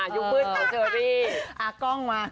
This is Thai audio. ยุคมืดของเชอรี่